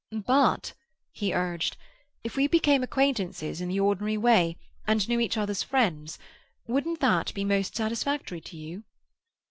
"But," he urged, "if we became acquaintances in the ordinary way, and knew each other's friends, wouldn't that be most satisfactory to you?"